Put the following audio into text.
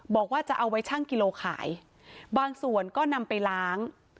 บอกว่าจะเอาไว้ชั่งกิโลขายบางส่วนก็นำไปล้าง